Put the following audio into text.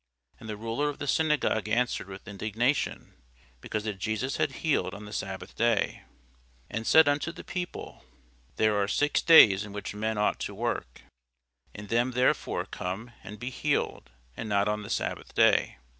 And the ruler of the synagogue answered with indignation, because that Jesus had healed on the sabbath day, and said unto the people, There are six days in which men ought to work: in them therefore come and be healed, and not on the sabbath day.